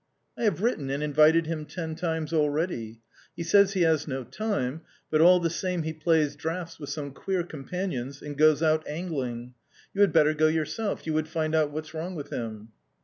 " I have written and invited him ten times already. He says he has no time, but all the same he plays draughts with some queer companions and goes out angling. You had better go yourself; you would find out what's wrong with him."